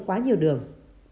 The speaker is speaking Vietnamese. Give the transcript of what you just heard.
quá nhiều đường